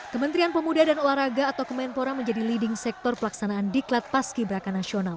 kementerian pemuda dan uaraga atau kementora menjadi leading sektor pelaksanaan diklat pas gibrakan nasional